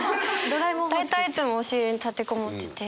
大体いつも押し入れに立てこもってて。